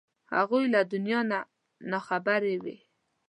هغوی له دنیا نه نا خبرې وې.